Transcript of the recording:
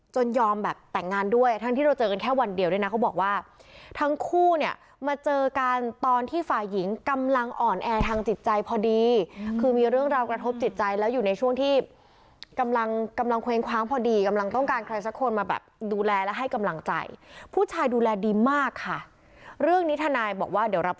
ยอมแบบแต่งงานด้วยทั้งที่เราเจอกันแค่วันเดียวด้วยนะเขาบอกว่าทั้งคู่เนี่ยมาเจอกันตอนที่ฝ่ายหญิงกำลังอ่อนแอทางจิตใจพอดีคือมีเรื่องราวกระทบจิตใจแล้วอยู่ในช่วงที่กำลังกำลังเคว้งคว้างพอดีกำลังต้องการใครสักคนมาแบบดูแลและให้กำลังใจผู้ชายดูแลดีมากค่ะเรื่องนี้ทนายบอกว่าเดี๋ยวรับ